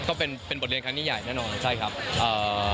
ก็เป็นเป็นบทเรียนครั้งที่ใหญ่แน่นอนใช่ครับเอ่อ